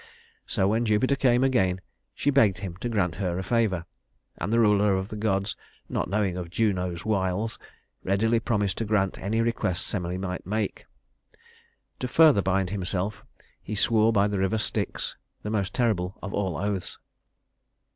So when Jupiter came again, she begged him to grant her a favor, and the ruler of the gods, not knowing of Juno's wiles, readily promised to grant any request Semele might make. To further bind himself, he swore by the river Styx the most terrible of all oaths.